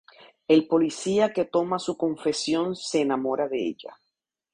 El policía que toma su confesión se enamora de ella.